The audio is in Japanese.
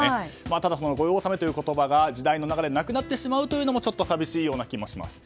ただ、御用納めという言葉が時代の流れでなくなってしまうというのもちょっと寂しいような気もします。